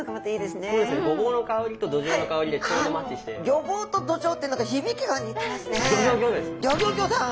ギョボウとドジョウっていうのが響きが似てますね。